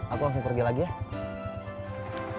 aku langsung pergi lagi ya